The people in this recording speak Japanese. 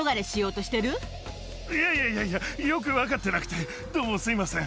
いやいやいや、よく分かってなくて、どうもすみません。